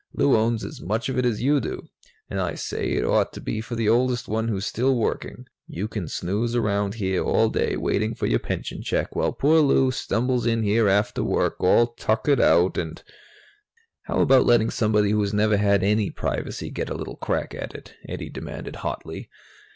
"Lou owns as much of it as you do, and I say it ought to be for the oldest one who's still working. You can snooze around here all day, waiting for your pension check, while poor Lou stumbles in here after work, all tuckered out, and " "How about letting somebody who's never had any privacy get a little crack at it?" Eddie demanded hotly.